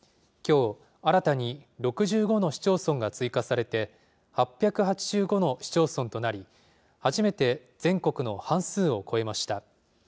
きょう、新たに６５の市町村が追加されて、８８５の市町村となり、初めて全国の半数を超えました。